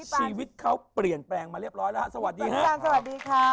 ชีวิตเค้าเปลี่ยนแปลงมาเรียบร้อยแล้วสวัสดีครับ